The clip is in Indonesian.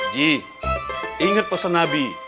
ji inget pesan nabi